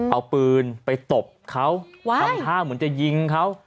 เอาปืนไปตบเขาทำท่าเหมือนจะยิงเขา